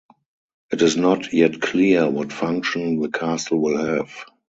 It is not yet clear what function the castle will have.